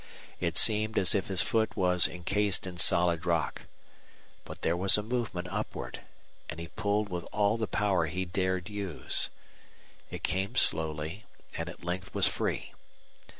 It seemed as if his foot was incased in solid rock. But there was a movement upward, and he pulled with all the power he dared use. It came slowly and at length was free.